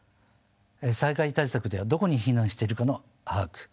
災害対策ではどこに避難しているかの把握。